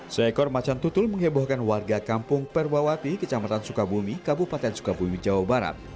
seekor macan tutul menghebohkan warga kampung perbawati kecamatan sukabumi kabupaten sukabumi jawa barat